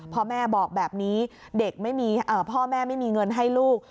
พ่อแม่บอกแบบนี้เด็กพ่อแม่ไม่มีเงินให้ลูก